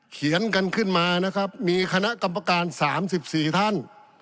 เขียนกันขึ้นมานะครับมีคณะกรรมการ๓๔ท่าน